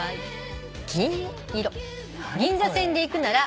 「銀座線で行くなら」